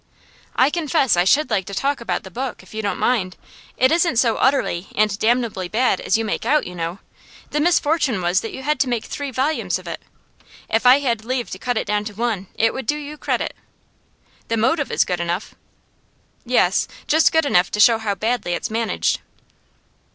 'I confess I should like to talk about the book, if you don't mind. It isn't so utterly and damnably bad as you make out, you know. The misfortune was that you had to make three volumes of it. If I had leave to cut it down to one, it would do you credit. The motive is good enough.' 'Yes. Just good enough to show how badly it's managed.